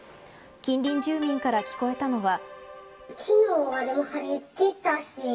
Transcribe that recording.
近隣住民から聞こえたのは。